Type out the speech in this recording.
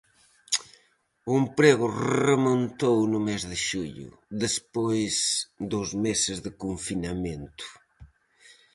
O emprego remontou no mes de xullo, despois dos meses de confinamento.